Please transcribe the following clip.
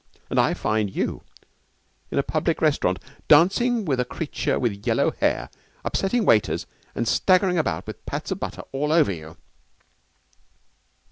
And I find you in a public restaurant, dancing with a creature with yellow hair, upsetting waiters, and staggering about with pats of butter all over you.'